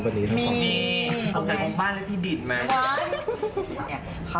สุศรีค่ะ